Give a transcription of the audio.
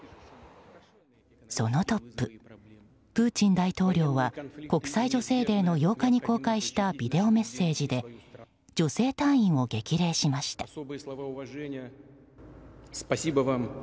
そのトップ、プーチン大統領は国際女性デーの８日に公開したビデオメッセージで女性隊員を激励しました。